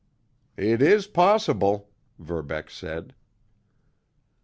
"It is possible," Verbeck said.